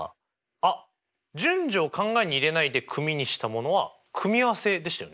あっ順序を考えに入れないで組にしたものは組合せでしたよね。